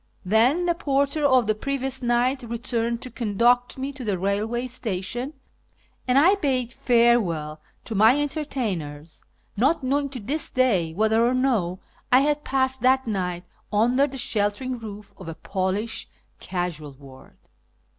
Then the porter of the previous night returned to conduct me to the railway station, and I bade farewell to my entertainers, not knowing to this day whether or no I had passed that night under the sheltering roof of a Polish casual ward.